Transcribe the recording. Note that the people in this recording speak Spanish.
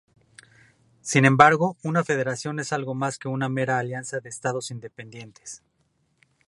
Sin embargo, una federación es algo más que una mera alianza de estados independientes.